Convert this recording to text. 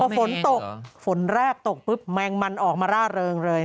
ฝนตกฝนแรกตกปุ๊บแมงมันออกมาร่าเริงเลย